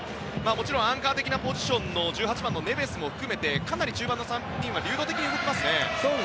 もちろんアンカー的なポジションのネベスも含めてかなり中盤の３人は流動的に動きますね。